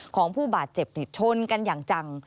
ของผู้บาดเจ็บชนกันอย่างจัง